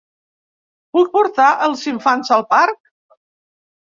Puc portar els infants al parc?